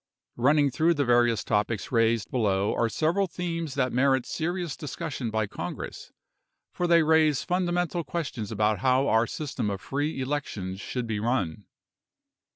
Running through the various topics raised below are several themes that merit serious discussion by Congress, for they raise fundamental questions about how our system of free elections should be run.